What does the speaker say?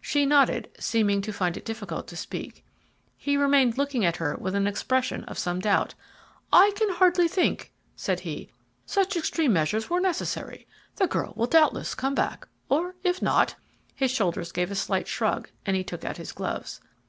She nodded, seeming to find it difficult to speak. He remained looking at her with an expression of some doubt. "I can hardly think," said he, "such extreme measures were necessary; the girl will doubtless come back, or if not " His shoulders gave a slight shrug and he took out his gloves.